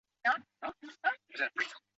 是帘蛤目帘蛤科横帘蛤属的一种。